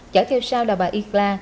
chở theo sau là bà ycla